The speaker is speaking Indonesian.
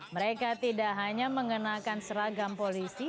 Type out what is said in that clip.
mereka tidak hanya mengenakan seragam polisi